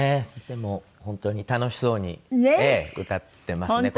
でも本当に楽しそうに歌ってますね